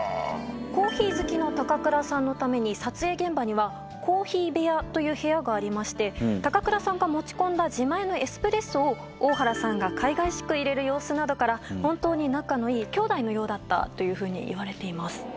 コーヒー好きの高倉さんのために、撮影現場には、コーヒー部屋という部屋がありまして、高倉さんが持ち込んだ自前のエスプレッソを、大原さんがかいがいしくいれる様子などから、本当に仲のいい兄妹のようだったというふうにいわれています。